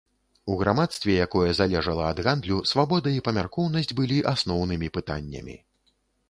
У грамадстве, якое залежала ад гандлю, свабода і памяркоўнасць былі асноўнымі пытаннямі.